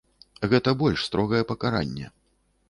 Гэта больш строгае пакаранне.